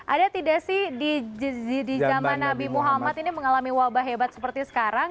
ada tidak sih di zaman nabi muhammad ini mengalami wabah hebat seperti sekarang